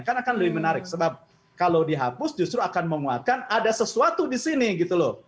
kan akan lebih menarik sebab kalau dihapus justru akan menguatkan ada sesuatu di sini gitu loh